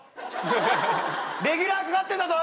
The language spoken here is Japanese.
レギュラーかかってんだぞ。